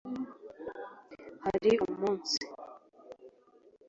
Hari umunsi